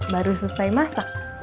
baru selesai masak